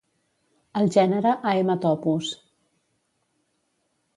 El gènere Haematopus.